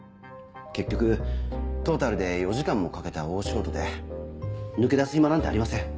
結局トータルで４時間もかけた大仕事で抜け出す暇なんてありません。